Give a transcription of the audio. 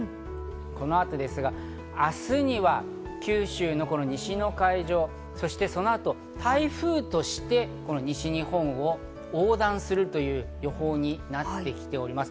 この後ですが明日には九州のこの西の海上、そしてその後、台風として西日本を横断するという予報になってきております。